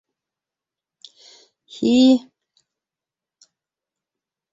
Һи!